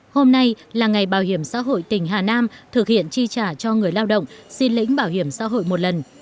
hôm nay là ngày bảo hiểm xã hội tỉnh hà nam thực hiện chi trả cho người lao động xin lĩnh bảo hiểm xã hội một lần